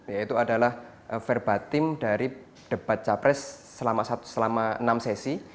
yaitu adalah verbatim dari debat capres selama enam sesi